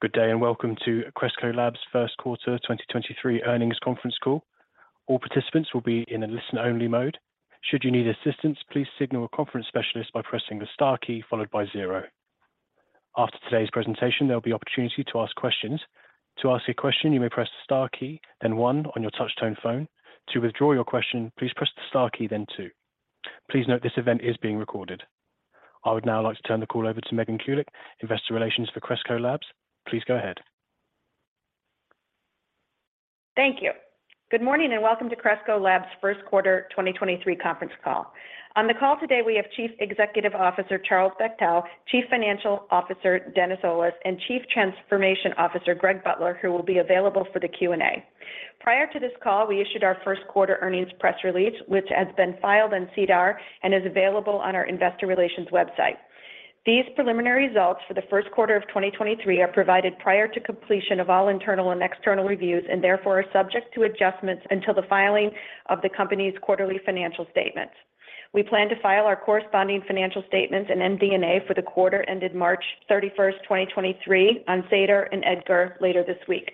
Good day, and welcome to Cresco Labs' first quarter 2023 earnings conference call. All participants will be in a listen-only mode. Should you need assistance, please signal a conference specialist by pressing the star key followed by zero. After today's presentation, there'll be opportunity to ask questions. To ask a question, you may press the star key, then one on your touchtone phone. To withdraw your question, please press the star key then two. Please note this event is being recorded. I would now like to turn the call over to Megan Kulick, Investor Relations for Cresco Labs. Please go ahead. Thank you. Good morning, and welcome to Cresco Labs' first quarter 2023 conference call. On the call today, we have Chief Executive Officer, Charlie Bachtell, Chief Financial Officer, Dennis Olis, and Chief Transformation Officer, Greg Butler, who will be available for the Q&A. Prior to this call, we issued our first quarter earnings press release, which has been filed on SEDAR and is available on our investor relations website. These preliminary results for the first quarter of 2023 are provided prior to completion of all internal and external reviews, and therefore are subject to adjustments until the filing of the company's quarterly financial statements. We plan to file our corresponding financial statements and MD&A for the quarter ended March 31st, 2023 on SEDAR and EDGAR later this week.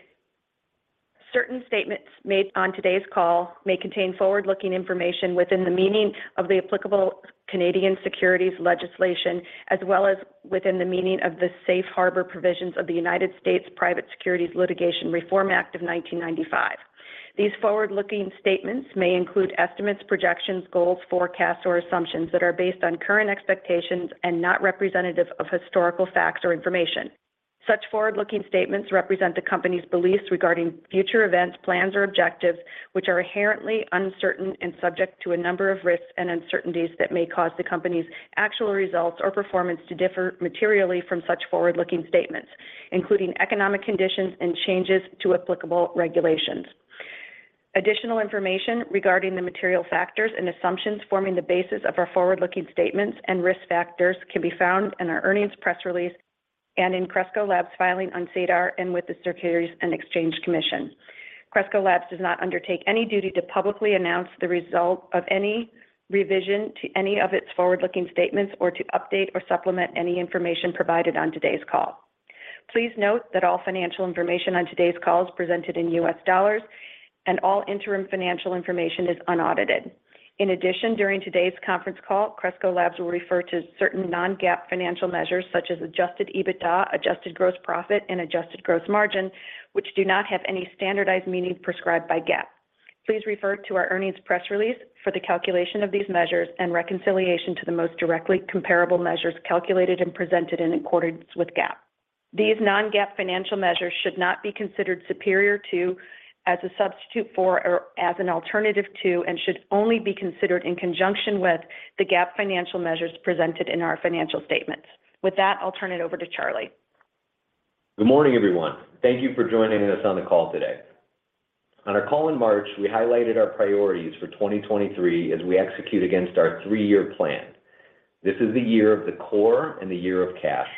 Certain statements made on today's call may contain forward-looking information within the meaning of the applicable Canadian securities legislation as well as within the meaning of the Safe Harbor provisions of the United States Private Securities Litigation Reform Act of 1995. These forward-looking statements may include estimates, projections, goals, forecasts, or assumptions that are based on current expectations and not representative of historical facts or information. Such forward-looking statements represent the company's beliefs regarding future events, plans, or objectives, which are inherently uncertain and subject to a number of risks and uncertainties that may cause the company's actual results or performance to differ materially from such forward-looking statements, including economic conditions and changes to applicable regulations. Additional information regarding the material factors and assumptions forming the basis of our forward-looking statements and risk factors can be found in our earnings press release and in Cresco Labs' filing on SEDAR and with the Securities and Exchange Commission. Cresco Labs does not undertake any duty to publicly announce the result of any revision to any of its forward-looking statements or to update or supplement any information provided on today's call. Please note that all financial information on today's call is presented in U.S. dollars, and all interim financial information is unaudited. In addition, during today's conference call, Cresco Labs will refer to certain non-GAAP financial measures such as adjusted EBITDA, adjusted gross profit, and adjusted gross margin, which do not have any standardized meaning prescribed by GAAP. Please refer to our earnings press release for the calculation of these measures and reconciliation to the most directly comparable measures calculated and presented in accordance with GAAP. These non-GAAP financial measures should not be considered superior to, as a substitute for, or as an alternative to, and should only be considered in conjunction with the GAAP financial measures presented in our financial statements. With that, I'll turn it over to Charlie. Good morning, everyone. Thank you for joining us on the call today. On our call in March, we highlighted our priorities for 2023 as we execute against our three-year plan. This is the year of the core and the year of cash.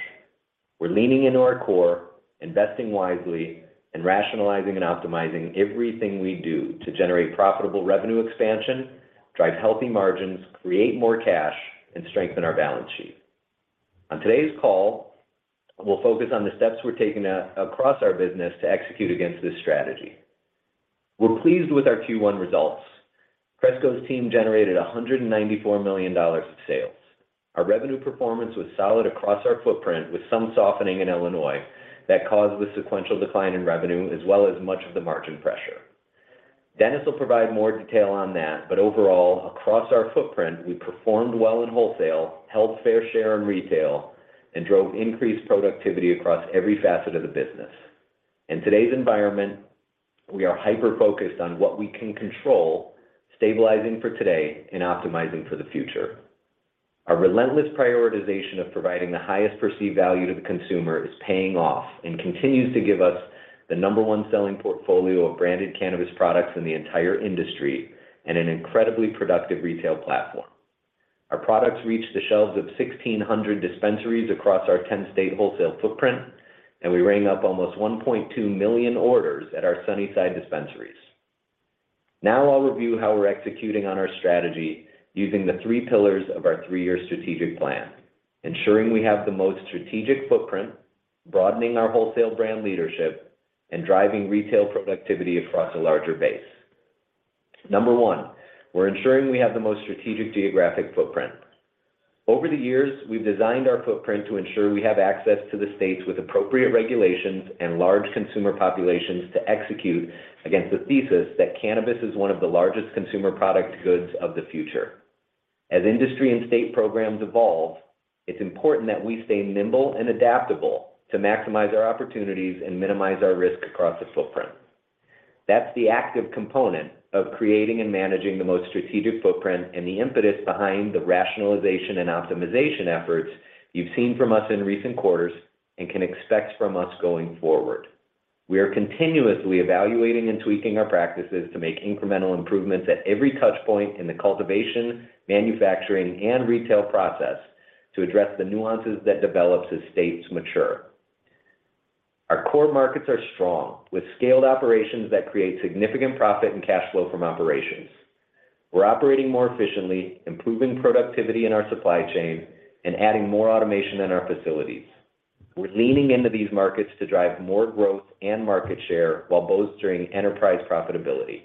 We're leaning into our core, investing wisely, and rationalizing and optimizing everything we do to generate profitable revenue expansion, drive healthy margins, create more cash, and strengthen our balance sheet. On today's call, we'll focus on the steps we're taking across our business to execute against this strategy. We're pleased with our Q1 results. Cresco Labs' team generated $194 million of sales. Our revenue performance was solid across our footprint with some softening in Illinois that caused the sequential decline in revenue as well as much of the margin pressure. Dennis Olis will provide more detail on that, overall, across our footprint, we performed well in wholesale, held fair share in retail, and drove increased productivity across every facet of the business. In today's environment, we are hyper-focused on what we can control, stabilizing for today and optimizing for the future. Our relentless prioritization of providing the highest perceived value to the consumer is paying off and continues to give us the number one selling portfolio of branded cannabis products in the entire industry and an incredibly productive retail platform. Our products reach the shelves of 1,600 dispensaries across our 10-state wholesale footprint, we rang up almost 1.2 million orders at our Sunnyside dispensaries. Now I'll review how we're executing on our strategy using the three pillars of our three-year strategic plan: ensuring we have the most strategic footprint, broadening our wholesale brand leadership, and driving retail productivity across a larger base. Number one, we're ensuring we have the most strategic geographic footprint. Over the years, we've designed our footprint to ensure we have access to the states with appropriate regulations and large consumer populations to execute against the thesis that cannabis is one of the largest consumer product goods of the future. As industry and state programs evolve, it's important that we stay nimble and adaptable to maximize our opportunities and minimize our risk across the footprint. That's the active component of creating and managing the most strategic footprint and the impetus behind the rationalization and optimization efforts you've seen from us in recent quarters and can expect from us going forward. We are continuously evaluating and tweaking our practices to make incremental improvements at every touch point in the cultivation, manufacturing, and retail process to address the nuances that develop as states mature. Our core markets are strong, with scaled operations that create significant profit and cash flow from operations. We're operating more efficiently, improving productivity in our supply chain, and adding more automation in our facilities. We're leaning into these markets to drive more growth and market share while bolstering enterprise profitability.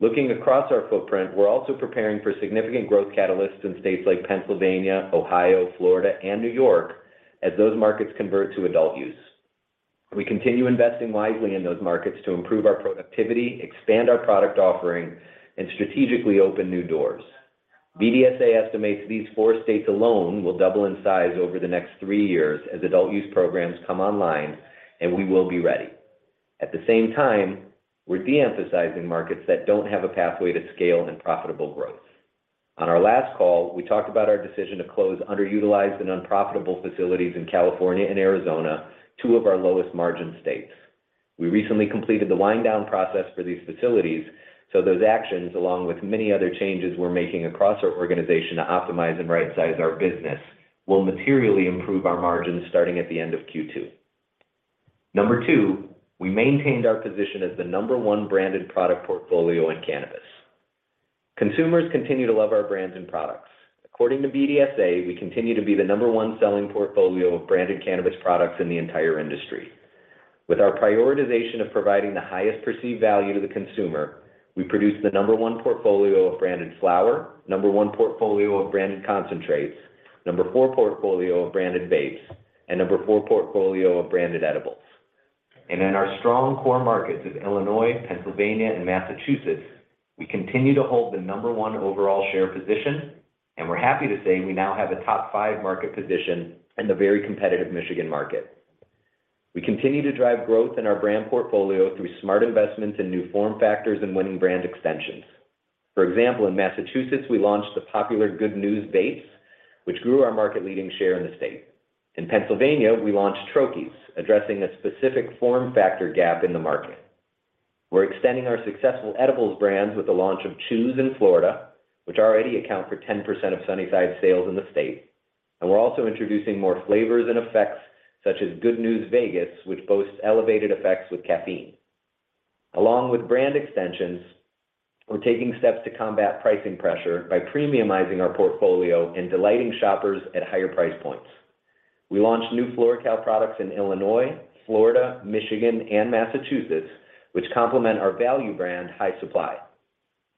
Looking across our footprint, we're also preparing for significant growth catalysts in states like Pennsylvania, Ohio, Florida, and New York as those markets convert to adult use. We continue investing wisely in those markets to improve our productivity, expand our product offering, and strategically open new doors. BDSA estimates these four states alone will double in size over the next three years as adult use programs come online. We will be ready. At the same time, we're de-emphasizing markets that don't have a pathway to scale and profitable growth. On our last call, we talked about our decision to close underutilized and unprofitable facilities in California and Arizona, two of our lowest margin states. We recently completed the wind down process for these facilities. Those actions, along with many other changes we're making across our organization to optimize and right-size our business, will materially improve our margins starting at the end of Q2. Number two, we maintained our position as the number one branded product portfolio in cannabis. Consumers continue to love our brands and products. According to BDSA, we continue to be the number one selling portfolio of branded cannabis products in the entire industry. With our prioritization of providing the highest perceived value to the consumer, we produce the number one portfolio of branded flower, number one portfolio of branded concentrates, number four portfolio of branded vapes, and number four portfolio of branded edibles. In our strong core markets of Illinois, Pennsylvania, and Massachusetts, we continue to hold the number one overall share position, and we're happy to say we now have a top five market position in the very competitive Michigan market. We continue to drive growth in our brand portfolio through smart investments in new form factors and winning brand extensions. For example, in Massachusetts, we launched the popular Good News Vegas, which grew our market-leading share in the state. In Pennsylvania, we launched Troches, addressing a specific form factor gap in the market. We're extending our successful edibles brands with the launch of Chews in Florida, which already account for 10% of Sunnyside sales in the state. We're also introducing more flavors and effects such as Good News Vegas, which boasts elevated effects with caffeine. Along with brand extensions, we're taking steps to combat pricing pressure by premiumizing our portfolio and delighting shoppers at higher price points. We launched new FloraCal products in Illinois, Florida, Michigan, and Massachusetts, which complement our value brand, High Supply.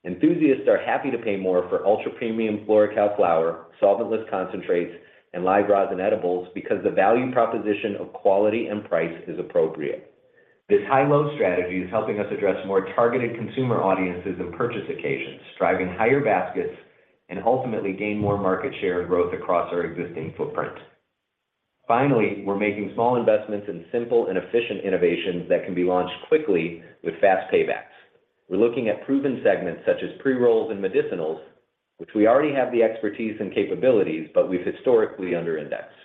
Enthusiasts are happy to pay more for ultra-premium FloraCal flower, solventless concentrates, and live rosin edibles because the value proposition of quality and price is appropriate. This high-low strategy is helping us address more targeted consumer audiences and purchase occasions, driving higher baskets, and ultimately gain more market share and growth across our existing footprint. Finally, we're making small investments in simple and efficient innovations that can be launched quickly with fast paybacks. We're looking at proven segments such as pre-rolls and medicinals, which we already have the expertise and capabilities, but we've historically under-indexed.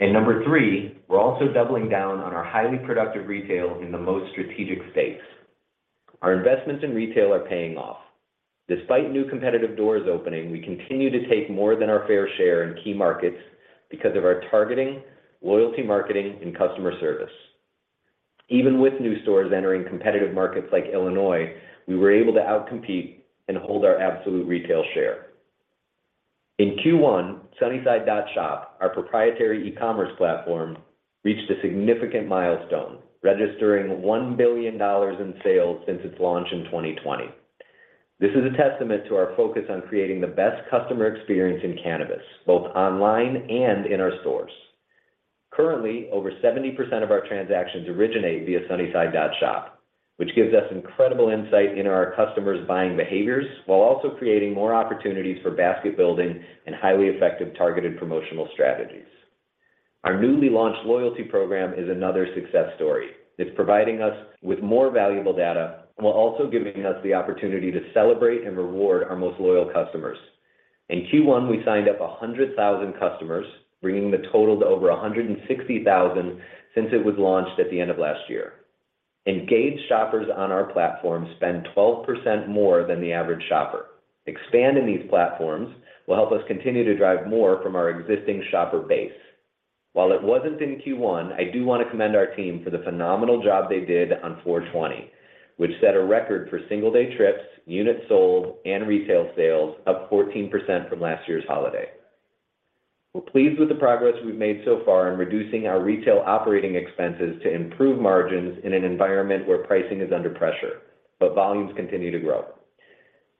number three, we're also doubling down on our highly productive retail in the most strategic states. Our investments in retail are paying off. Despite new competitive doors opening, we continue to take more than our fair share in key markets because of our targeting, loyalty marketing, and customer service. Even with new stores entering competitive markets like Illinois, we were able to out-compete and hold our absolute retail share. In Q1, Sunnyside.shop, our proprietary e-commerce platform, reached a significant milestone, registering $1 billion in sales since its launch in 2020. This is a testament to our focus on creating the best customer experience in cannabis, both online and in our stores. Currently, over 70% of our transactions originate via Sunnyside.shop, which gives us incredible insight into our customers' buying behaviors while also creating more opportunities for basket building and highly effective targeted promotional strategies. Our newly launched loyalty program is another success story. It's providing us with more valuable data while also giving us the opportunity to celebrate and reward our most loyal customers. In Q1, we signed up 100,000 customers, bringing the total to over 160,000 since it was launched at the end of last year. Engaged shoppers on our platform spend 12% more than the average shopper. Expanding these platforms will help us continue to drive more from our existing shopper base. While it wasn't in Q1, I do want to commend our team for the phenomenal job they did on 4/20, which set a record for single-day trips, units sold, and retail sales up 14% from last year's holiday. We're pleased with the progress we've made so far in reducing our retail operating expenses to improve margins in an environment where pricing is under pressure, but volumes continue to grow.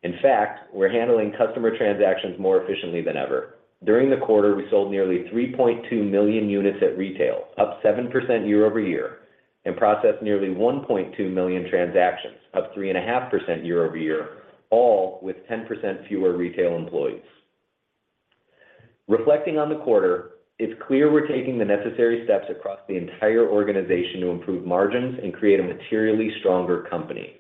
In fact, we're handling customer transactions more efficiently than ever. During the quarter, we sold nearly 3.2 million units at retail, up 7% year-over-year, and processed nearly 1.2 million transactions, up 3.5% year-over-year, all with 10% fewer retail employees. Reflecting on the quarter, it's clear we're taking the necessary steps across the entire organization to improve margins and create a materially stronger company.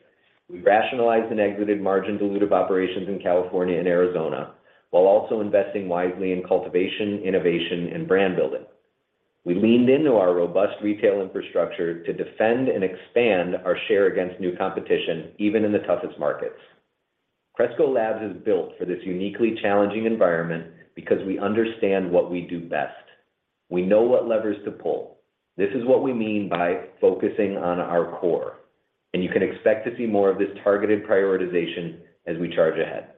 We rationalized and exited margin-dilutive operations in California and Arizona while also investing wisely in cultivation, innovation, and brand building. We leaned into our robust retail infrastructure to defend and expand our share against new competition, even in the toughest markets. Cresco Labs is built for this uniquely challenging environment because we understand what we do best. We know what levers to pull. This is what we mean by focusing on our core. You can expect to see more of this targeted prioritization as we charge ahead.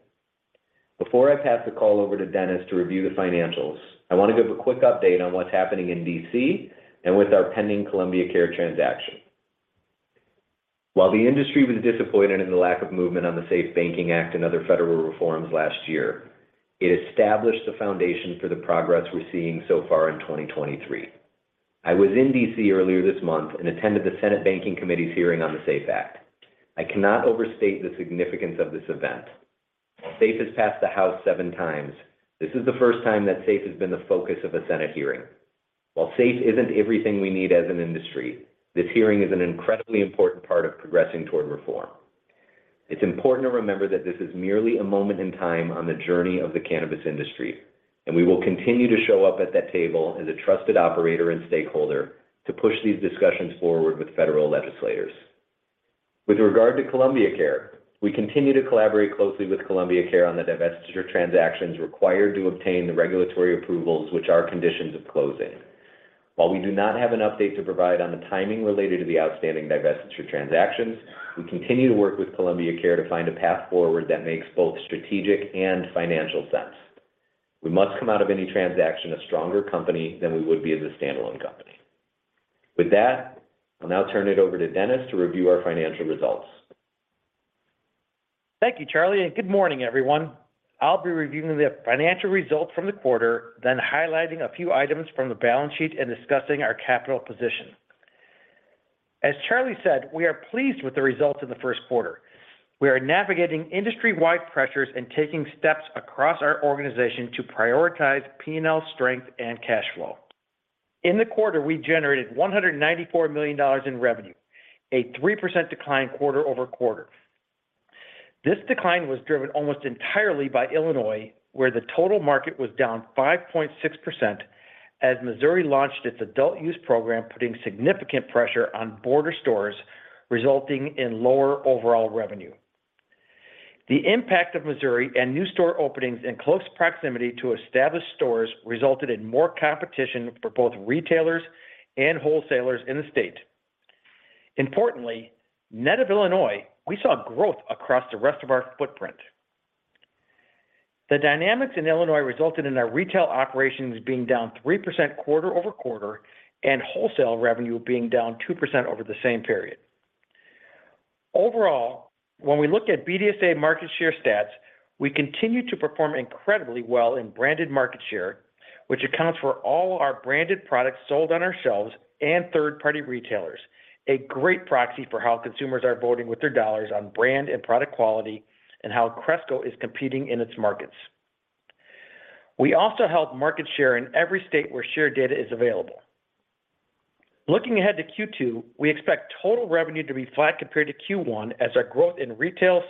Before I pass the call over to Dennis to review the financials, I want to give a quick update on what's happening in D.C. and with our pending Columbia Care transaction. While the industry was disappointed in the lack of movement on the SAFE Banking Act and other federal reforms last year, it established the foundation for the progress we're seeing so far in 2023. I was in D.C. earlier this month and attended the Senate Banking Committee's hearing on the SAFE Act. I cannot overstate the significance of this event. While SAFE has passed the House seven times, this is the first time that SAFE has been the focus of a Senate hearing. While SAFE isn't everything we need as an industry, this hearing is an incredibly important part of progressing toward reform. It's important to remember that this is merely a moment in time on the journey of the cannabis industry, and we will continue to show up at that table as a trusted operator and stakeholder to push these discussions forward with federal legislators. With regard to Columbia Care, we continue to collaborate closely with Columbia Care on the divestiture transactions required to obtain the regulatory approvals which are conditions of closing. While we do not have an update to provide on the timing related to the outstanding divestiture transactions, we continue to work with Columbia Care to find a path forward that makes both strategic and financial sense. We must come out of any transaction a stronger company than we would be as a standalone company. With that, I'll now turn it over to Dennis to review our financial results. Thank you, Charlie. Good morning, everyone. I'll be reviewing the financial results from the quarter, then highlighting a few items from the balance sheet and discussing our capital position. As Charlie said, we are pleased with the results in the first quarter. We are navigating industry-wide pressures and taking steps across our organization to prioritize P&L strength and cash flow. In the quarter, we generated $194 million in revenue, a 3% decline quarter-over-quarter. This decline was driven almost entirely by Illinois, where the total market was down 5.6% as Missouri launched its adult use program, putting significant pressure on border stores, resulting in lower overall revenue. The impact of Missouri and new store openings in close proximity to established stores resulted in more competition for both retailers and wholesalers in the state. Importantly, net of Illinois, we saw growth across the rest of our footprint. The dynamics in Illinois resulted in our retail operations being down 3% quarter-over-quarter and wholesale revenue being down 2% over the same period. When we look at BDSA market share stats, we continue to perform incredibly well in branded market share, which accounts for all our branded products sold on our shelves and third-party retailers, a great proxy for how consumers are voting with their dollars on brand and product quality and how Cresco is competing in its markets. We also held market share in every state where share data is available. Looking ahead to Q2, we expect total revenue to be flat compared to Q1 as our growth in retail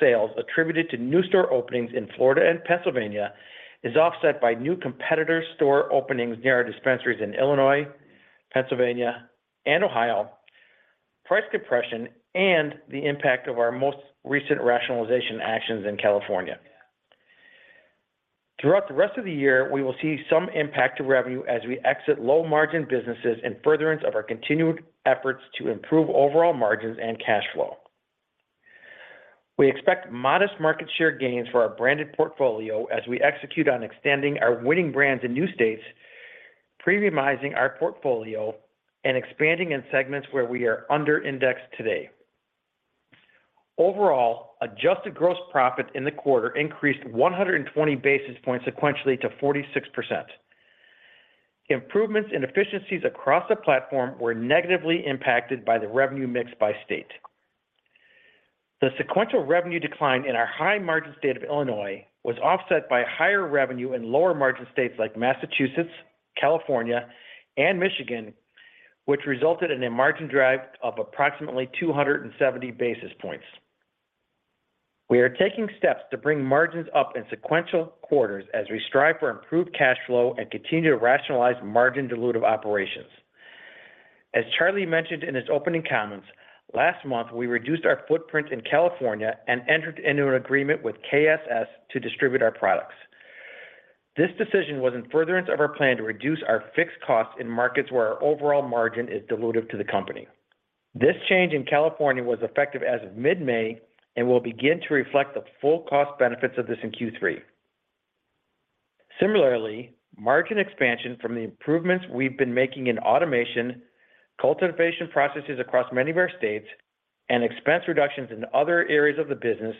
sales attributed to new store openings in Florida and Pennsylvania is offset by new competitor store openings near our dispensaries in Illinois, Pennsylvania, and Ohio, price compression, and the impact of our most recent rationalization actions in California. Throughout the rest of the year, we will see some impact to revenue as we exit low-margin businesses in furtherance of our continued efforts to improve overall margins and cash flow. We expect modest market share gains for our branded portfolio as we execute on extending our winning brands in new states, premiumizing our portfolio, and expanding in segments where we are under indexed today. Overall, adjusted gross profit in the quarter increased 120 basis points sequentially to 46%. Improvements in efficiencies across the platform were negatively impacted by the revenue mix by state. The sequential revenue decline in our high-margin state of Illinois was offset by higher revenue in lower-margin states like Massachusetts, California, and Michigan, which resulted in a margin drag of approximately 270 basis points. We are taking steps to bring margins up in sequential quarters as we strive for improved cash flow and continue to rationalize margin dilutive operations. As Charlie mentioned in his opening comments, last month, we reduced our footprint in California and entered into an agreement with KSS to distribute our products. This decision was in furtherance of our plan to reduce our fixed costs in markets where our overall margin is dilutive to the company. This change in California was effective as of mid-May and will begin to reflect the full cost benefits of this in Q3. Similarly, margin expansion from the improvements we've been making in automation, cultivation processes across many of our states, and expense reductions in other areas of the business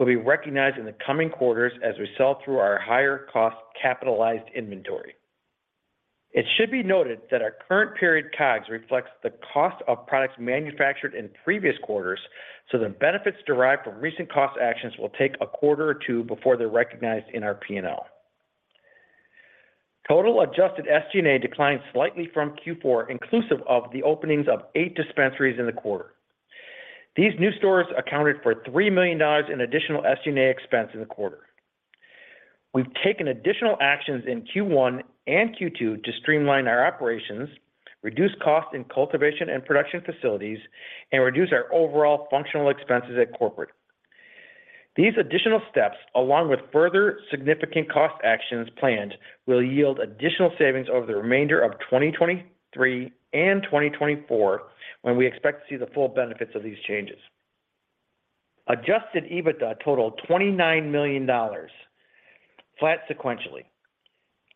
will be recognized in the coming quarters as we sell through our higher-cost capitalized inventory. It should be noted that our current period COGS reflects the cost of products manufactured in previous quarters, so the benefits derived from recent cost actions will take a quarter or two before they're recognized in our P&L. Total adjusted SG&A declined slightly from Q4, inclusive of the openings of eight dispensaries in the quarter. These new stores accounted for $3 million in additional SG&A expense in the quarter. We've taken additional actions in Q1 and Q2 to streamline our operations, reduce costs in cultivation and production facilities, and reduce our overall functional expenses at corporate. These additional steps, along with further significant cost actions planned, will yield additional savings over the remainder of 2023 and 2024 when we expect to see the full benefits of these changes. Adjusted EBITDA totaled $29 million, flat sequentially.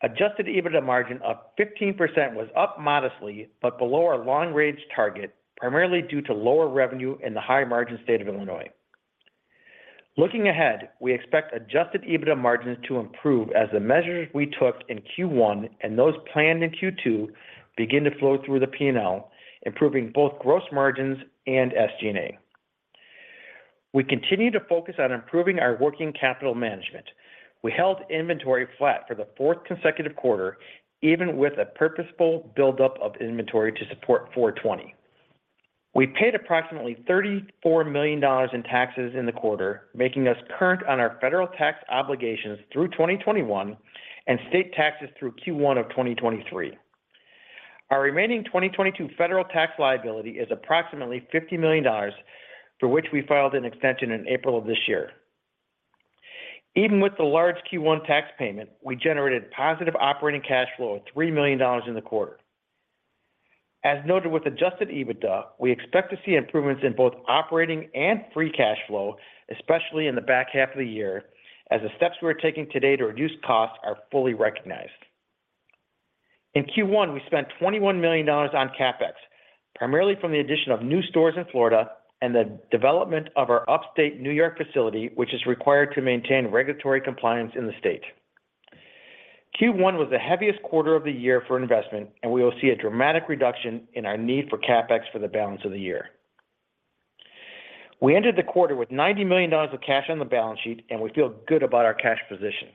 adjusted EBITDA margin of 15% was up modestly but below our long-range target, primarily due to lower revenue in the high-margin state of Illinois. Looking ahead, we expect adjusted EBITDA margins to improve as the measures we took in Q1 and those planned in Q2 begin to flow through the P&L, improving both gross margins and SG&A. We continue to focus on improving our working capital management. We held inventory flat for the fourth consecutive quarter, even with a purposeful buildup of inventory to support 4/20. We paid approximately $34 million in taxes in the quarter, making us current on our federal tax obligations through 2021 and state taxes through Q1 of 2023. Our remaining 2022 federal tax liability is approximately $50 million, for which we filed an extension in April of this year. Even with the large Q1 tax payment, we generated positive operating cash flow of $3 million in the quarter. As noted with adjusted EBITDA, we expect to see improvements in both operating and free cash flow, especially in the back half of the year, as the steps we're taking today to reduce costs are fully recognized. In Q1, we spent $21 million on CapEx, primarily from the addition of new stores in Florida and the development of our upstate New York facility, which is required to maintain regulatory compliance in the state. Q1 was the heaviest quarter of the year for investment, and we will see a dramatic reduction in our need for CapEx for the balance of the year. We ended the quarter with $90 million of cash on the balance sheet, and we feel good about our cash position.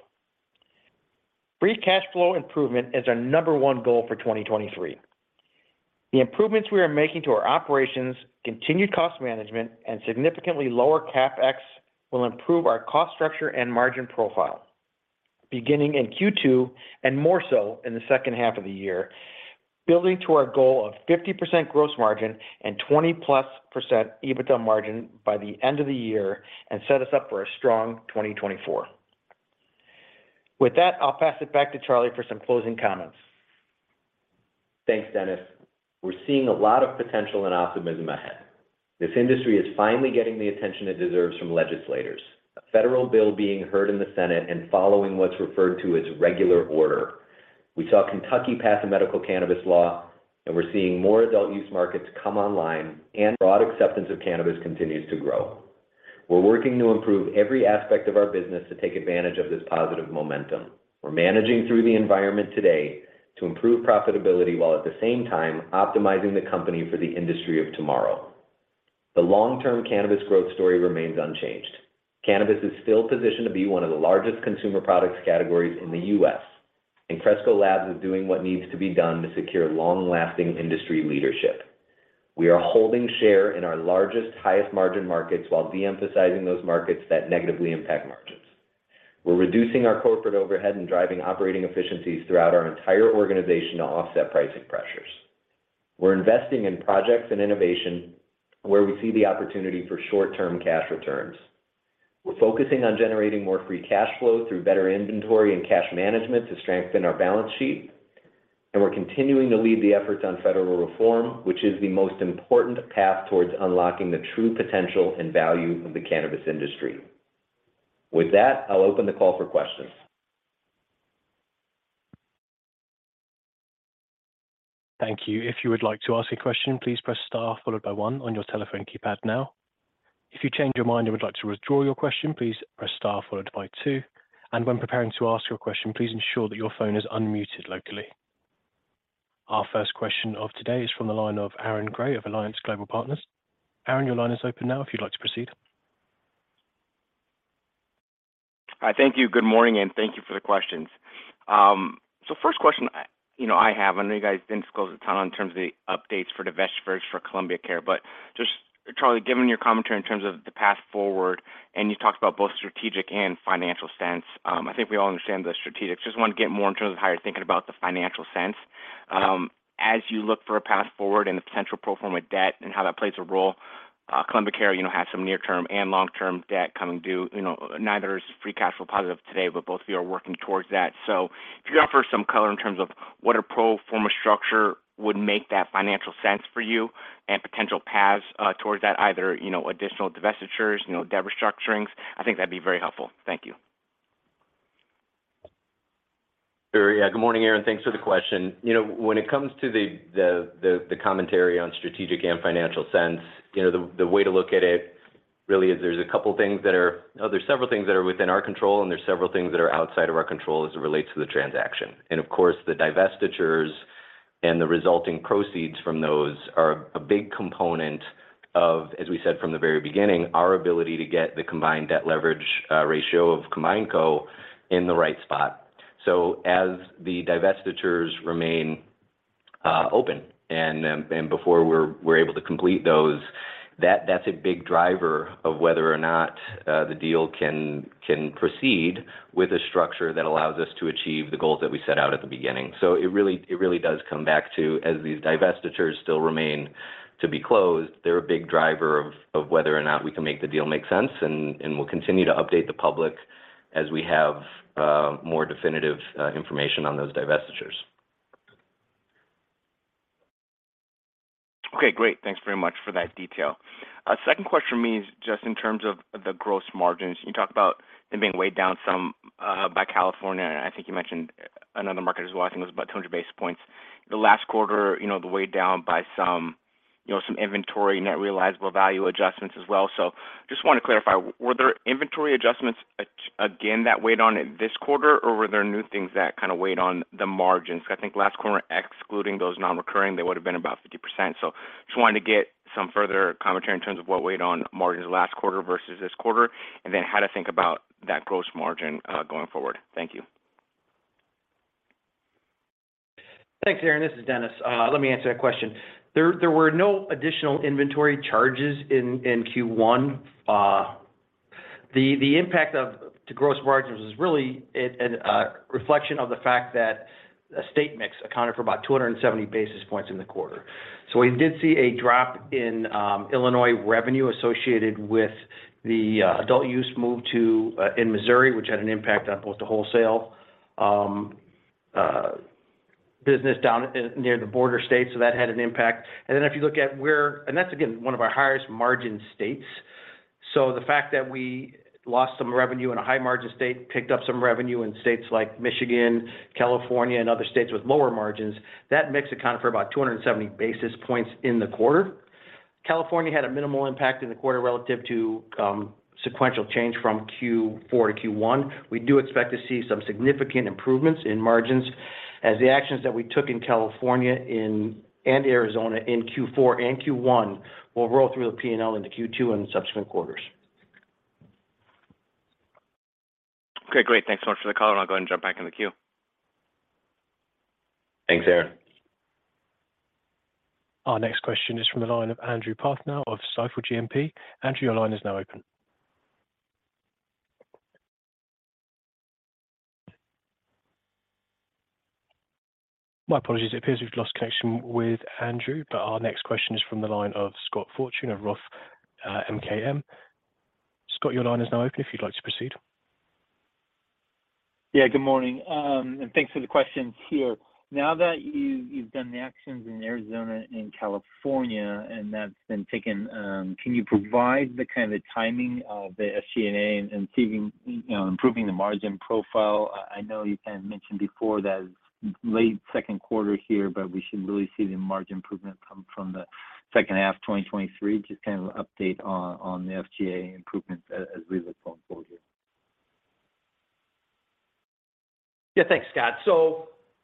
Free cash flow improvement is our number one goal for 2023. The improvements we are making to our operations, continued cost management, and significantly lower CapEx will improve our cost structure and margin profile beginning in Q2 and more so in the second half of the year, building to our goal of 50% gross margin and 20%+ EBITDA margin by the end of the year and set us up for a strong 2024. With that, I'll pass it back to Charlie for some closing comments. Thanks, Dennis. We're seeing a lot of potential and optimism ahead. This industry is finally getting the attention it deserves from legislators. A federal bill being heard in the Senate and following what's referred to as regular order. We saw Kentucky pass a medical cannabis law, and we're seeing more adult use markets come online, and broad acceptance of cannabis continues to grow. We're working to improve every aspect of our business to take advantage of this positive momentum. We're managing through the environment today to improve profitability while at the same time optimizing the company for the industry of tomorrow. The long-term cannabis growth story remains unchanged. Cannabis is still positioned to be one of the largest consumer products categories in the U.S., and Cresco Labs is doing what needs to be done to secure long-lasting industry leadership. We are holding share in our largest, highest-margin markets while de-emphasizing those markets that negatively impact margins. We're reducing our corporate overhead and driving operating efficiencies throughout our entire organization to offset pricing pressures. We're investing in projects and innovation where we see the opportunity for short-term cash returns. We're focusing on generating more free cash flow through better inventory and cash management to strengthen our balance sheet. We're continuing to lead the efforts on federal reform, which is the most important path towards unlocking the true potential and value of the cannabis industry. With that, I'll open the call for questions. Thank you. If you would like to ask a question, please press star followed by one on your telephone keypad now. If you change your mind and would like to withdraw your question, please press star followed by two, and when preparing to ask your question, please ensure that your phone is unmuted locally. Our first question of today is from the line of Aaron Grey of Alliance Global Partners. Aaron, your line is open now if you'd like to proceed. Hi. Thank you. Good morning, and thank you for the questions. First question, you know, I have, I know you guys didn't disclose a ton in terms of the updates for divestitures for Columbia Care. Just Charlie, given your commentary in terms of the path forward, and you talked about both strategic and financial sense, I think we all understand the strategic. Just wanted to get more in terms of how you're thinking about the financial sense, as you look for a path forward and the potential pro forma debt and how that plays a role. Columbia Care, you know, has some near-term and long-term debt coming due. You know, neither is free cash flow positive today, but both of you are working towards that. If you could offer some color in terms of what a pro forma structure would make that financial sense for you and potential paths, towards that, either, you know, additional divestitures, you know, debt restructurings, I think that'd be very helpful. Thank you. Sure. Yeah. Good morning, Aaron. Thanks for the question. You know, when it comes to the commentary on strategic and financial sense, you know, the way to look at it really is there's several things that are within our control, and there's several things that are outside of our control as it relates to the transaction. Of course, the divestitures and the resulting proceeds from those are a big component of, as we said from the very beginning, our ability to get the combined debt leverage ratio of Combined Co in the right spot. As the divestitures remain open and before we're able to complete those, that's a big driver of whether or not the deal can proceed with a structure that allows us to achieve the goals that we set out at the beginning. It really does come back to as these divestitures still remain to be closed. They're a big driver of whether or not we can make the deal make sense, and we'll continue to update the public as we have more definitive information on those divestitures. Okay, great. Thanks very much for that detail. Second question for me is just in terms of the gross margins. You talked about them being weighed down some by California, and I think you mentioned another market as well. I think it was about 200 basis points. The last quarter, you know, the weigh down by some, you know, some inventory net realizable value adjustments as well. Just wanna clarify, were there inventory adjustments again that weighed on it this quarter, or were there new things that kinda weighed on the margins? I think last quarter, excluding those non-recurring, they would have been about 50%. Just wanted to get some further commentary in terms of what weighed on margins last quarter versus this quarter, and then how to think about that gross margin going forward. Thank you. Thanks, Aaron Grey. This is Dennis Olis. Let me answer that question. There were no additional inventory charges in Q1. The impact to gross margins is really a reflection of the fact that a state mix accounted for about 270 basis points in the quarter. We did see a drop in Illinois revenue associated with the adult use move to in Missouri, which had an impact on both the wholesale business down in, near the border states. That had an impact. If you look at where... That's again, one of our highest margin states. The fact that we lost some revenue in a high margin state, picked up some revenue in states like Michigan, California, and other states with lower margins, that mix accounted for about 270 basis points in the quarter. California had a minimal impact in the quarter relative to sequential change from Q4 to Q1. We do expect to see some significant improvements in margins as the actions that we took in California in, and Arizona in Q4 and Q1 will roll through the P&L into Q2 and subsequent quarters. Okay, great. Thanks so much for the call. I'll go ahead and jump back in the queue. Thanks, Aaron. Our next question is from the line of Andrew Partheniou of Stifel GMP. Andrew, your line is now open. My apologies. It appears we've lost connection with Andrew. Our next question is from the line of Scott Fortune of Roth MKM. Scott, your line is now open if you'd like to proceed. Yeah, good morning. Thanks for the questions here. Now that you've done the actions in Arizona and California, and that's been taken, can you provide the kind of the timing of the SG&A and seeing, you know, improving the margin profile? I know you kind of mentioned before that late second quarter here, we should really see the margin improvement come from the second half of 2023. Just to kind of update on the FCA improvements as we look going forward here. Yeah, thanks, Scott.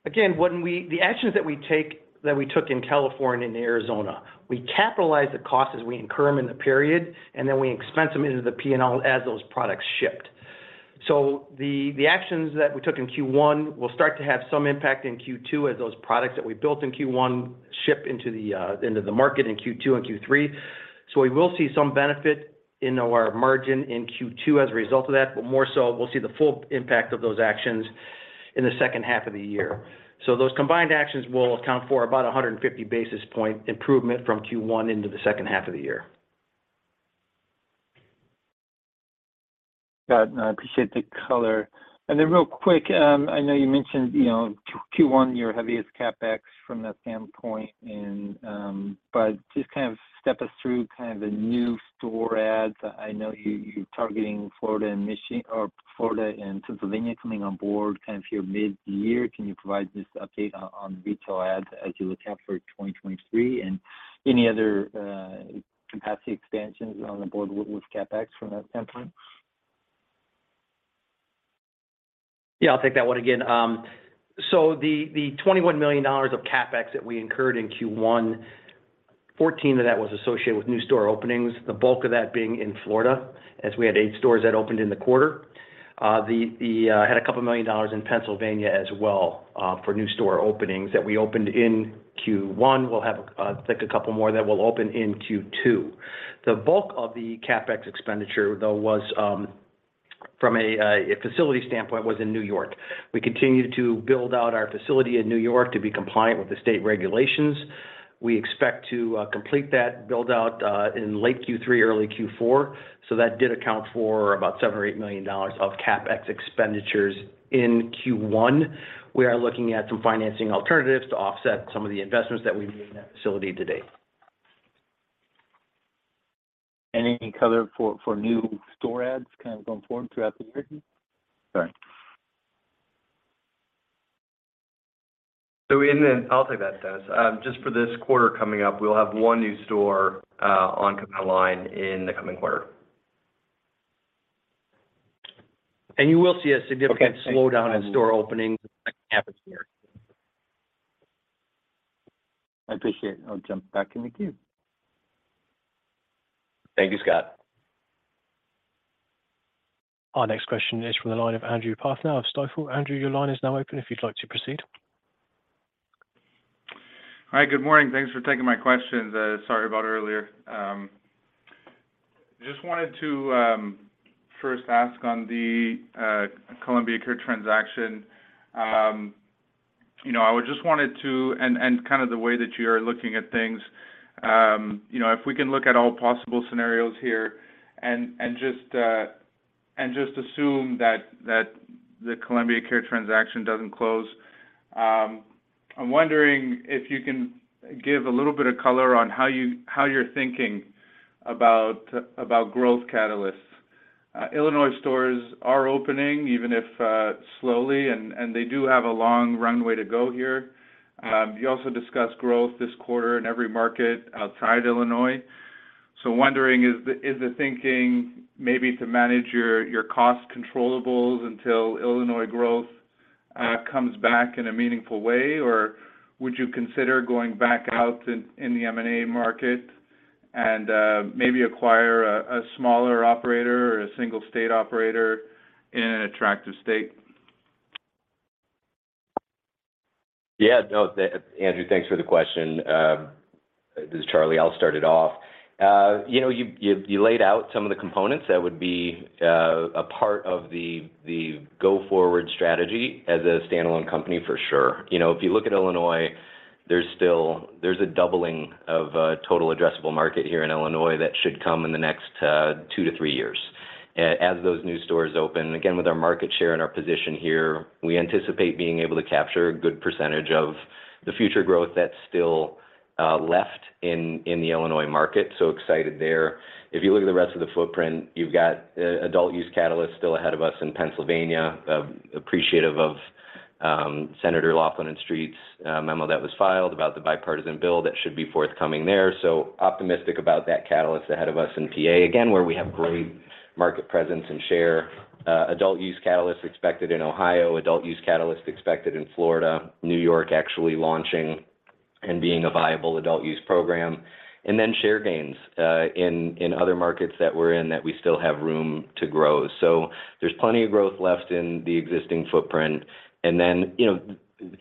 Again, the actions that we take, that we took in California and Arizona, we capitalize the costs as we incur them in the period, and then we expense them into the P&L as those products shipped. The actions that we took in Q1 will start to have some impact in Q2 as those products that we built in Q1 ship into the market in Q2 and Q3. We will see some benefit in our margin in Q2 as a result of that, but more so we'll see the full impact of those actions in the second half of the year. Those combined actions will account for about 150 basis point improvement from Q1 into the second half of the year. Got it. I appreciate the color. Real quick, I know you mentioned, you know, Q1, your heaviest CapEx from that standpoint, just kind of step us through kind of the new store adds. I know you're targeting Florida and Pennsylvania coming on board kind of here mid-year. Can you provide just update on the retail adds as you look out for 2023? Any other capacity expansions on the board with CapEx from that standpoint? Yeah, I'll take that one again. The $21 million of CapEx that we incurred in Q1, 14 of that was associated with new store openings. The bulk of that being in Florida, as we had 8 stores that opened in the quarter. had $2 million in Pennsylvania as well for new store openings that we opened in Q1. We'll have, I think a couple more that will open in Q2. The bulk of the CapEx expenditure, though, was from a facility standpoint, was in New York. We continue to build out our facility in New York to be compliant with the state regulations. We expect to complete that build-out in late Q3, early Q4. That did account for about $7 million-$8 million of CapEx expenditures in Q1. We are looking at some financing alternatives to offset some of the investments that we've made in that facility to date. Any color for new store adds kind of going forward throughout the year? Sorry. I'll take that, Dennis. Just for this quarter coming up, we'll have 1 new store, online in the coming quarter. You will see a significant Okay. Slowdown in store openings happening here. I appreciate it. I'll jump back in the queue. Thank you, Scott. Our next question is from the line of Andrew Partheniou of Stifel. Andrew, your line is now open if you'd like to proceed. All right. Good morning. Thanks for taking my questions. Sorry about earlier. Just wanted to first ask on the Columbia Care transaction. You know, I just wanted to and kind of the way that you're looking at things, you know, if we can look at all possible scenarios here and just assume that the Columbia Care transaction doesn't close, I'm wondering if you can give a little bit of color on how you're thinking about growth catalysts. Illinois stores are opening, even if slowly, and they do have a long runway to go here. You also discussed growth this quarter in every market outside Illinois. Wondering, is the thinking maybe to manage your cost controllables until Illinois growth comes back in a meaningful way? Would you consider going back out in the M&A market and maybe acquire a smaller operator or a single state operator in an attractive state? Yeah, no, Andrew, thanks for the question. This is Charlie. I'll start it off. You know, you laid out some of the components that would be a part of the go-forward strategy as a standalone company for sure. You know, if you look at Illinois, there's a doubling of total addressable market here in Illinois that should come in the next 2 to 3 years. As those new stores open, again, with our market share and our position here, we anticipate being able to capture a good % of the future growth that's still left in the Illinois market, so excited there. If you look at the rest of the footprint, you've got adult use catalysts still ahead of us in Pennsylvania. Appreciative of Senator Laughlin and Street's memo that was filed about the bipartisan bill that should be forthcoming there. Optimistic about that catalyst ahead of us in PA, again, where we have great market presence and share. Adult use catalyst expected in Ohio, adult use catalyst expected in Florida. New York actually launching and being a viable adult use program. Share gains in other markets that we're in that we still have room to grow. There's plenty of growth left in the existing footprint. you know,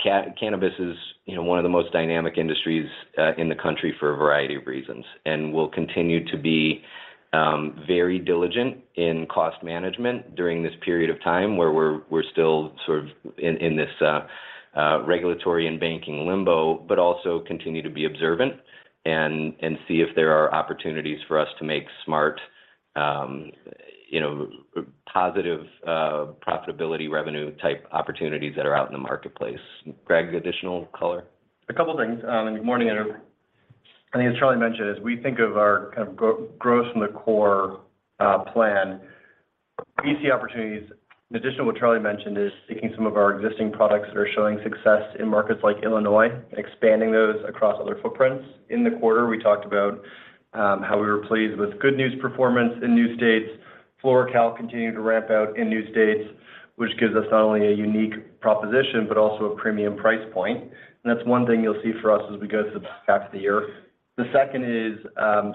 cannabis is, you know, one of the most dynamic industries in the country for a variety of reasons, and we'll continue to be very diligent in cost management during this period of time where we're still sort of in this regulatory and banking limbo, but also continue to be observant and see if there are opportunities for us to make smart, you know, positive profitability revenue type opportunities that are out in the marketplace. Greg, additional color? A couple of things. And good morning, everyone. I think as Charlie mentioned, as we think of our kind of growth in the core plan, we see opportunities. In addition to what Charlie mentioned is taking some of our existing products that are showing success in markets like Illinois, expanding those across other footprints. In the quarter, we talked about how we were pleased with Good News performance in new states. FloraCal continued to ramp out in new states, which gives us not only a unique proposition, but also a premium price point. That's one thing you'll see for us as we go through the back of the year. The second is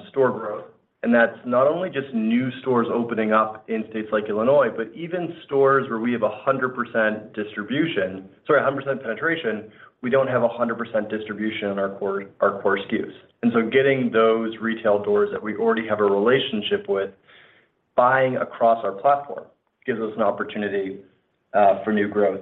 store growth, and that's not only just new stores opening up in states like Illinois, but even stores where we have 100% distribution. sorry, 100% penetration, we don't have 100% distribution in our core, our core SKUs. Getting those retail doors that we already have a relationship with buying across our platform gives us an opportunity for new growth.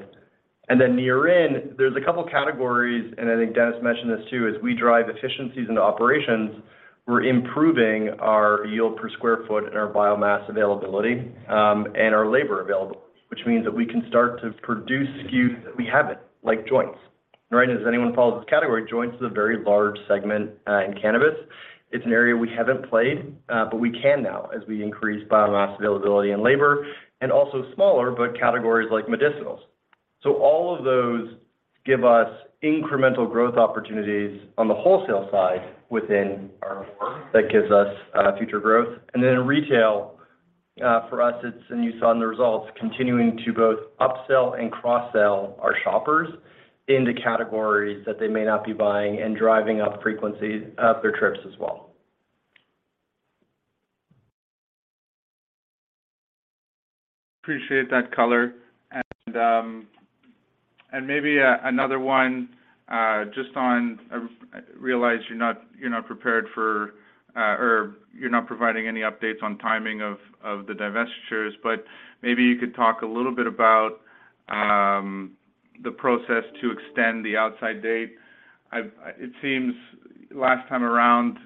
Near in, there's a couple of categories, and I think Dennis mentioned this too, as we drive efficiencies into operations, we're improving our yield per square foot and our biomass availability, and our labor availability, which means that we can start to produce SKUs that we haven't, like joints. Right? As anyone follows this category, joints is a very large segment in cannabis. It's an area we haven't played, but we can now as we increase biomass availability and labor, and also smaller, but categories like medicinals. All of those give us incremental growth opportunities on the wholesale side within our core that gives us future growth. In retail, for us, it's, and you saw in the results, continuing to both upsell and cross-sell our shoppers into categories that they may not be buying and driving up frequency of their trips as well. Appreciate that color. Maybe another one, just on, I realize you're not, you're not prepared for, or you're not providing any updates on timing of the divestitures, but maybe you could talk a little bit about the process to extend the outside date. It seems last time around,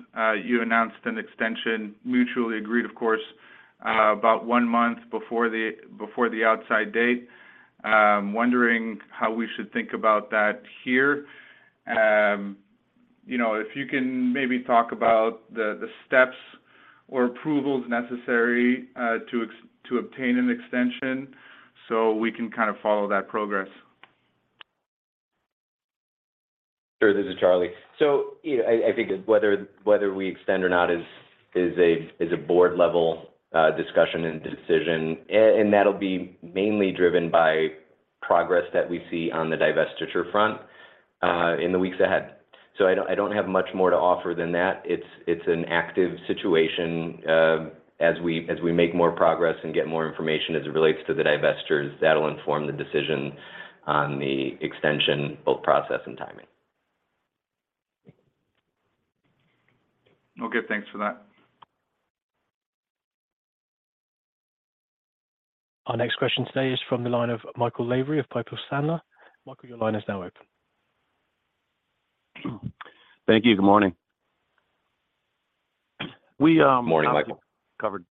you announced an extension, mutually agreed, of course, about one month before the outside date. I'm wondering how we should think about that here. You know, if you can maybe talk about the steps or approvals necessary to obtain an extension so we can kind of follow that progress. Sure. This is Charlie. You know, I think whether we extend or not is a board-level discussion and decision. That'll be mainly driven by progress that we see on the divestiture front in the weeks ahead. I don't have much more to offer than that. It's an active situation. As we make more progress and get more information as it relates to the divestitures, that'll inform the decision on the extension, both process and timing. Okay, thanks for that. Our next question today is from the line of Michael Lavery of Piper Sandler. Michael, your line is now open. Thank you. Good morning. Morning, Michael. We obviously covered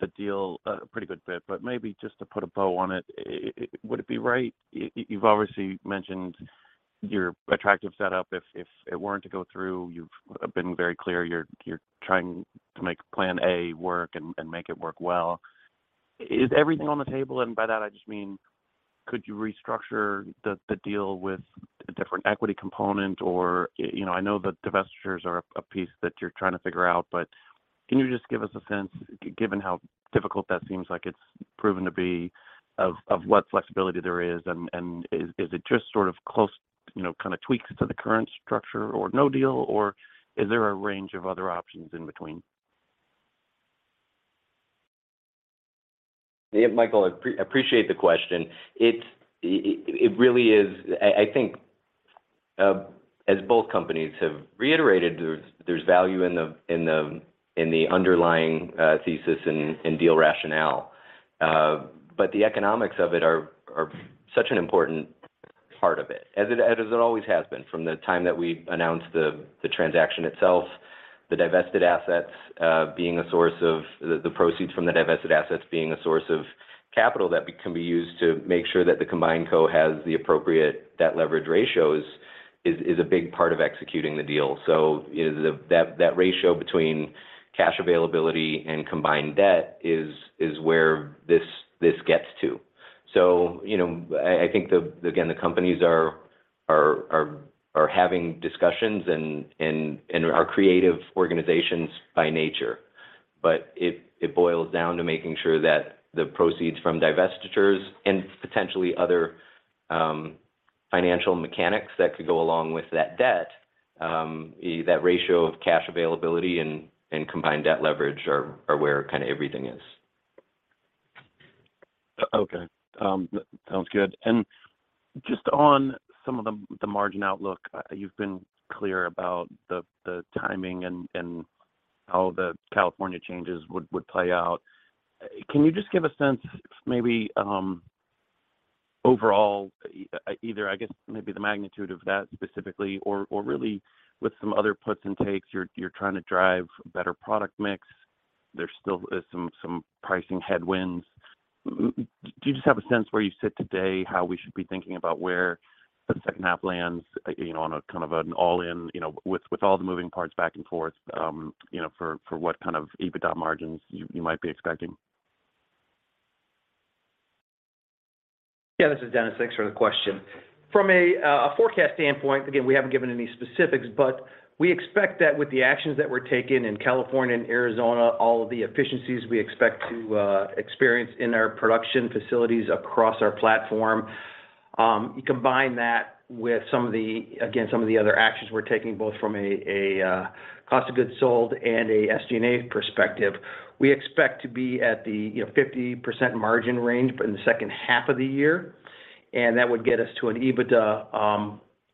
the deal a pretty good bit, but maybe just to put a bow on it, would it be right? You've obviously mentioned your attractive setup if it weren't to go through. You've been very clear you're trying to make plan A work and make it work well. Is everything on the table? By that I just mean could you restructure the deal with a different equity component or, you know, I know the divestitures are a piece that you're trying to figure out. Can you just give us a sense, given how difficult that seems like it's proven to be, of what flexibility there is, and is it just sort of close, you know, kind of tweaks to the current structure or no deal, or is there a range of other options in between? Yeah, Michael, I appreciate the question. It really is, I think, as both companies have reiterated, there's value in the underlying thesis and deal rationale. The economics of it are such an important part of it, as it always has been from the time that we announced the transaction itself. The divested assets, the proceeds from the divested assets being a source of capital that can be used to make sure that the Combined Co has the appropriate debt leverage ratios is a big part of executing the deal. You know, that ratio between cash availability and combined debt is where this gets to. You know, I think again, the companies are having discussions and are creative organizations by nature. It boils down to making sure that the proceeds from divestitures and potentially other financial mechanics that could go along with that debt, i.e. that ratio of cash availability and combined debt leverage are where kind of everything is. Okay. Sounds good. Just on some of the margin outlook, you've been clear about the timing and how the California changes would play out. Can you just give a sense maybe, either, I guess, maybe the magnitude of that specifically or really with some other puts and takes, you're trying to drive better product mix. There still is some pricing headwinds. Would you just have a sense where you sit today, how we should be thinking about where the second half lands, you know, on a kind of an all-in, you know, with all the moving parts back and forth, for what kind of EBITDA margins you might be expecting? Yeah, this is Dennis. Thanks for the question. From a forecast standpoint, again, we haven't given any specifics, but we expect that with the actions that were taken in California and Arizona, all of the efficiencies we expect to experience in our production facilities across our platform, you combine that with some of the, again, some of the other actions we're taking both from a cost of goods sold and a SG&A perspective. We expect to be at the 50% margin range in the second half of the year, and that would get us to an EBITDA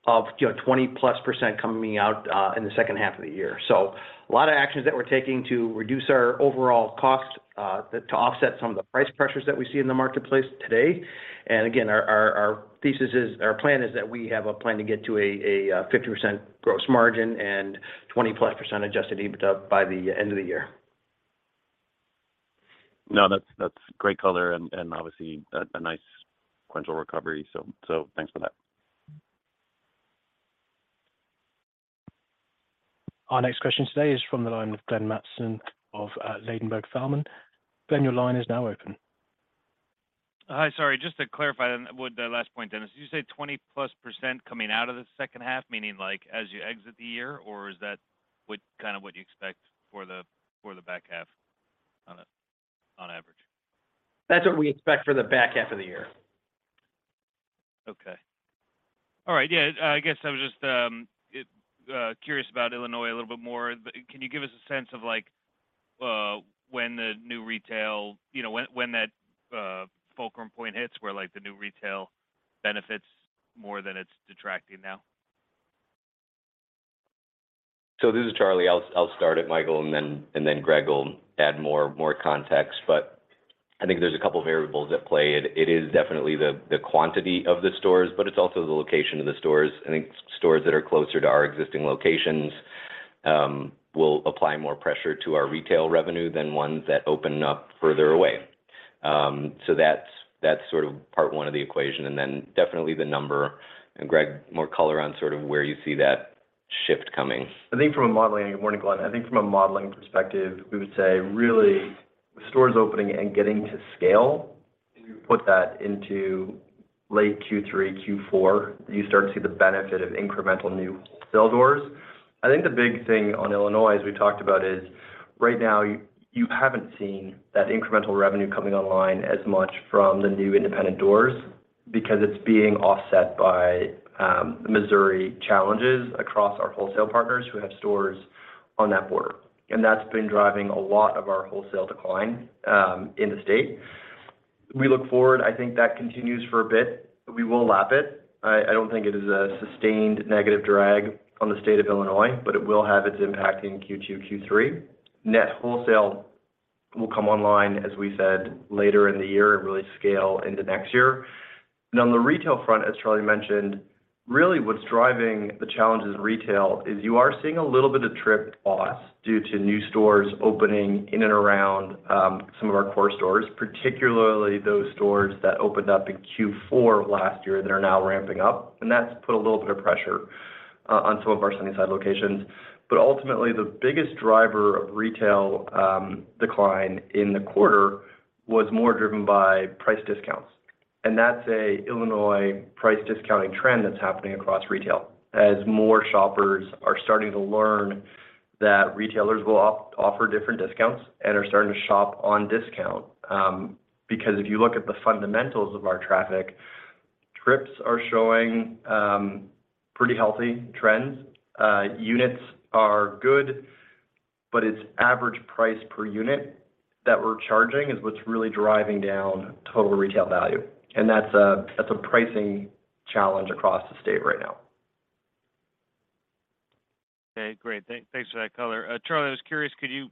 of 20%+ coming out in the second half of the year. A lot of actions that we're taking to reduce our overall cost to offset some of the price pressures that we see in the marketplace today. Again, our thesis is, our plan is that we have a plan to get to a 50% gross margin and 20%+ adjusted EBITDA by the end of the year. No, that's great color and obviously a nice sequential recovery. So thanks for that. Our next question today is from the line of Glenn Mattson of Ladenburg Thalmann. Glenn, your line is now open. Hi. Sorry, just to clarify with the last point, Dennis, you said 20%+ coming out of the second half, meaning like as you exit the year, or is that kind of what you expect for the back half on average? That's what we expect for the back half of the year. Okay. All right. Yeah, I guess I was just curious about Illinois a little bit more. Can you give us a sense of like, when the new retail, you know, when that fulcrum point hits where like the new retail benefits more than it's detracting now? This is Charlie. I'll start it, Michael, and then Greg will add more context. I think there's a couple variables at play. It is definitely the quantity of the stores, but it's also the location of the stores. I think stores that are closer to our existing locations will apply more pressure to our retail revenue than ones that open up further away. That's sort of part one of the equation. Definitely the number. Greg, more color on sort of where you see that shift coming. I think from a modeling... Morning, Glenn. I think from a modeling perspective, we would say really the stores opening and getting to scale, if you put that into late Q3, Q4, you start to see the benefit of incremental new sale doors. I think the big thing on Illinois, as we talked about is right now you haven't seen that incremental revenue coming online as much from the new independent doors because it's being offset by the Missouri challenges across our wholesale partners who have stores on that border. That's been driving a lot of our wholesale decline in the state. We look forward. I think that continues for a bit, but we will lap it. I don't think it is a sustained negative drag on the state of Illinois, but it will have its impact in Q2, Q3. Net wholesale will come online, as we said, later in the year and really scale into next year. On the retail front, as Charlie mentioned, really what's driving the challenges in retail is you are seeing a little bit of trip loss due to new stores opening in and around some of our core stores, particularly those stores that opened up in Q4 last year that are now ramping up. That's put a little bit of pressure on some of our Sunnyside locations. Ultimately, the biggest driver of retail decline in the quarter was more driven by price discounts. That's an Illinois price discounting trend that's happening across retail, as more shoppers are starting to learn that retailers will offer different discounts and are starting to shop on discount. Because if you look at the fundamentals of our traffic, trips are showing pretty healthy trends. Units are good, but it's average price per unit that we're charging is what's really driving down total retail value. That's a pricing challenge across the state right now. Okay, great. Thanks for that color. Charlie, I was curious, could you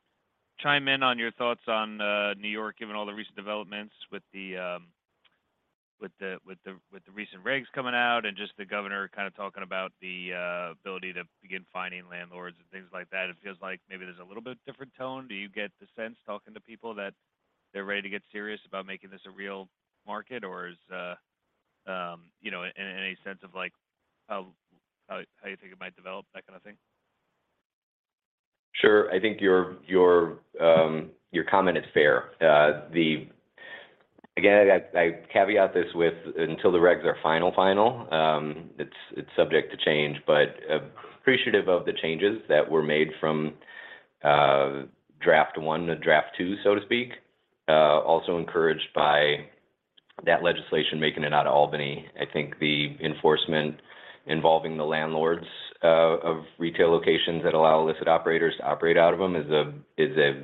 chime in on your thoughts on New York, given all the recent developments with the recent regs coming out and just the governor kind of talking about the ability to begin fining landlords and things like that. It feels like maybe there's a little bit different tone. Do you get the sense talking to people that they're ready to get serious about making this a real market? Or is, you know, any sense of like, how you think it might develop, that kind of thing? Sure. I think your comment is fair. Again, I caveat this with until the regs are final, it's subject to change, but appreciative of the changes that were made from draft 1 to draft 2, so to speak. Also encouraged by that legislation making it out of Albany. I think the enforcement involving the landlords of retail locations that allow illicit operators to operate out of them is a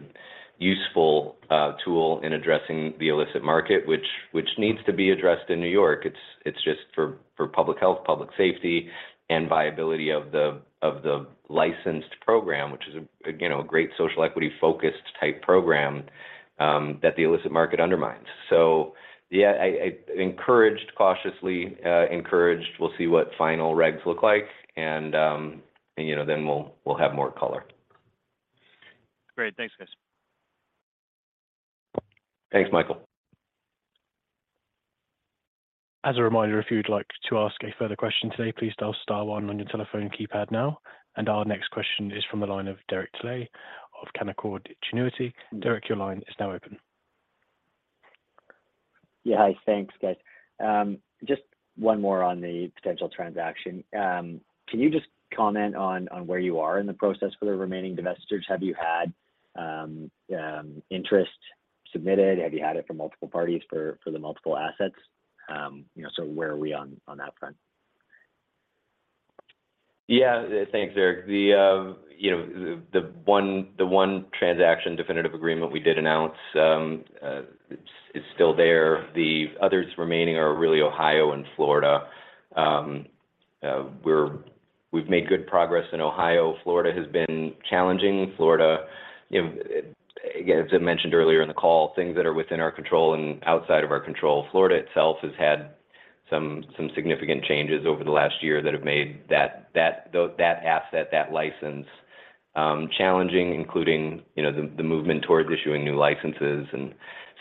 useful tool in addressing the illicit market, which needs to be addressed in New York. It's just for public health, public safety, and viability of the licensed program, which is a, you know, a great social equity-focused type program that the illicit market undermines. I encouraged cautiously encouraged. We'll see what final regs look like and, you know, then we'll have more color. Great. Thanks, guys. Thanks, Michael. As a reminder, if you'd like to ask a further question today, please dial star one on your telephone keypad now. Our next question is from the line of Derek Dley of Canaccord Genuity. Derek, your line is now open. Yeah. Hi, thanks, guys. Just one more on the potential transaction. Can you just comment on where you are in the process for the remaining divestitures? Have you had interest submitted? Have you had it from multiple parties for the multiple assets? you know, where are we on that front? Yeah. Thanks, Derek. The, you know, the one, the one transaction definitive agreement we did announce, it's still there. The others remaining are really Ohio and Florida. We've made good progress in Ohio. Florida has been challenging. Florida, you know, again, as I mentioned earlier in the call, things that are within our control and outside of our control. Florida itself has had some significant changes over the last year that have made that asset, that license, challenging, including, you know, the movement towards issuing new licenses.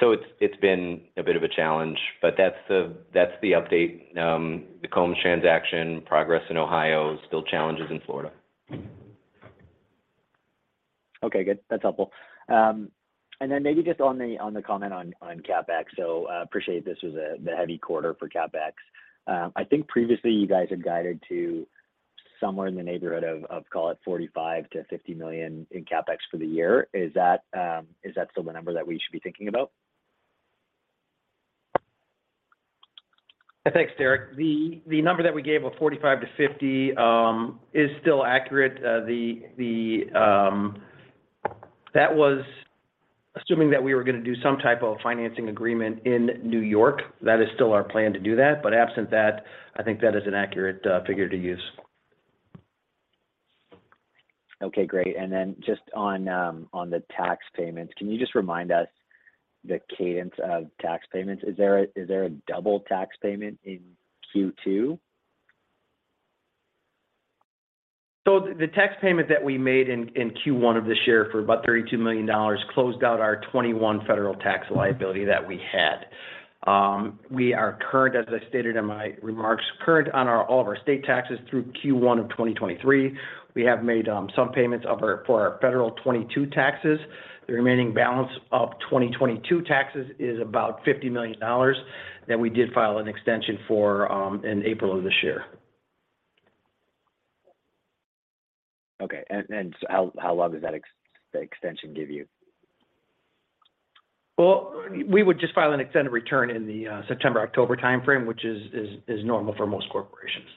It's, it's been a bit of a challenge, but that's the, that's the update. The Combs transaction, progress in Ohio, still challenges in Florida. Okay, good. That's helpful. Maybe just on the comment on CapEx. Appreciate this was the heavy quarter for CapEx. I think previously you guys had guided to somewhere in the neighborhood of call it $45 million-$50 million in CapEx for the year. Is that still the number that we should be thinking about? Thanks, Derek. The number that we gave of $45 million-$50 million is still accurate. That was assuming that we were going to do some type of financing agreement in New York. That is still our plan to do that. Absent that, I think that is an accurate figure to use. Okay, great. Then just on the tax payments, can you just remind us the cadence of tax payments? Is there a double tax payment in Q2? The tax payment that we made in Q1 of this year for about $32 million closed out our 2021 federal tax liability that we had. We are current, as I stated in my remarks, current on all of our state taxes through Q1 of 2023. We have made some payments for our federal 2022 taxes. The remaining balance of 2022 taxes is about $50 million that we did file an extension for in April of this year. Okay. How long does that extension give you? Well, we would just file an extended return in the September-October timeframe, which is normal for most corporations.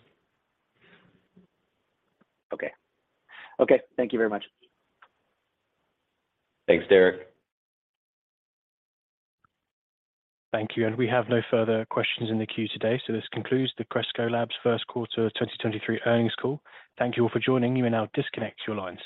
Okay. Okay, thank you very much. Thanks, Derek. Thank you. We have no further questions in the queue today. This concludes the Cresco Labs first quarter 2023 earnings call. Thank you all for joining. You may now disconnect your lines.